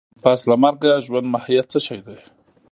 د پس له مرګه ژوند ماهيت څه شی دی؟